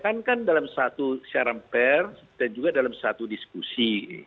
kan kan dalam satu siaran pers dan juga dalam satu diskusi